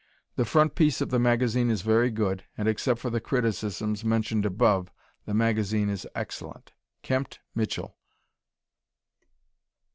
The front piece of the magazine is very good, and except for the criticisms mentioned above the magazine is excellent. Kempt Mitchell.